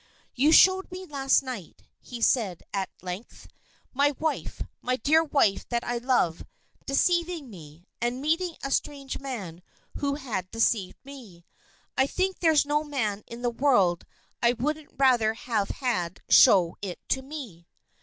"You showed me last night," he said at length, "my wife, my dear wife that I love, deceiving me, and meeting a strange man who had deceived me. I think there's no man in the world I wouldn't rather have had show it to me."